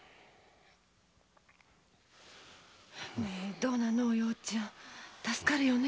どうなのお葉ちゃん助かるよね。